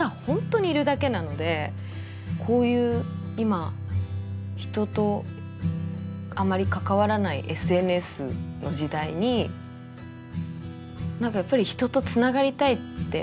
こういう今人とあまり関わらないＳＮＳの時代に何かやっぱり人とつながりたいって。